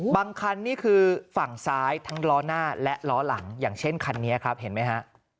คันนี่คือฝั่งซ้ายทั้งล้อหน้าและล้อหลังอย่างเช่นคันนี้ครับเห็นไหมฮะ